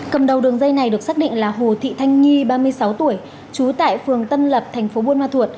cầm đầu đường dây này được xác định là hồ thị thanh nhi ba mươi sáu tuổi trú tại phường tân lập thành phố buôn ma thuột